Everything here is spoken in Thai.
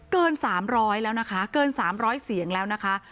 เกิน๓๐๐แล้วนะคะเกิน๓๐๐เสียงแล้วนะคะ